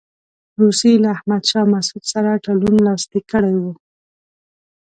روسیې له احمدشاه مسعود سره تړون لاسلیک کړی وو.